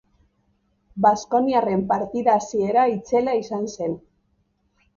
Baskoniarren partida hasiera itzela izan zen.